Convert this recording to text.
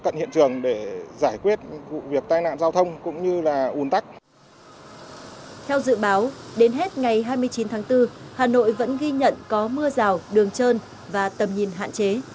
theo dự báo đến hết ngày hai mươi chín tháng bốn hà nội vẫn ghi nhận có mưa rào đường trơn và tầm nhìn hạn chế